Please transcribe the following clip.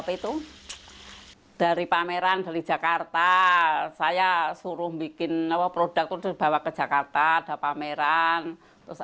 petun dari pameran dari jakarta saya suruh bikin nawa produk terbawa ke jakarta ada pameran terus